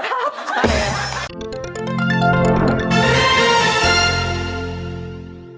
โปรดติดตามตอนต่อไป